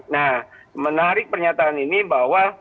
nah menarik pernyataan ini bahwa